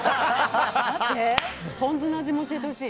待って、ポン酢の味も教えてほしい。